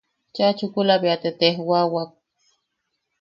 Cheʼa chukula bea te tejwawak: